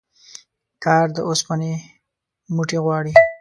کار د اوسپني موټي غواړي